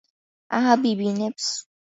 ააბიბინებს